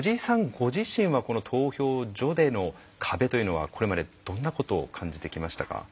ご自身はこの投票所での壁というのはこれまでどんなことを感じてきましたか？